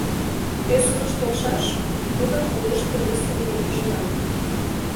— Кӧ судыш толшаш, тудым уэш повестке дене ӱжына...